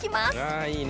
あいいね。